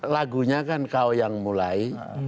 lagunya kan kau yang mulai